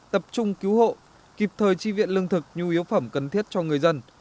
tập trung cứu hộ kịp thời tri viện lương thực nhu yếu phẩm cần thiết cho người dân